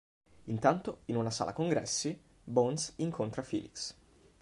Intanto, in una sala congressi, Bones incontra Felix.